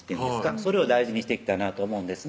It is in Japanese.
それを大事にしていきたいなと思うんですね